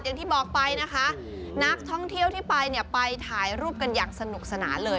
อย่างที่บอกไปนะคะนักท่องเที่ยวที่ไปเนี่ยไปถ่ายรูปกันอย่างสนุกสนานเลย